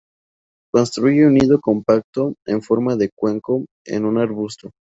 Construye un nido compacto en forma de cuenco en un arbusto.